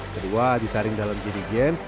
kedua disaring dalam ginigen